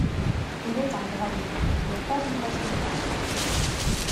Il est en granite qui n'est pas une roche locale.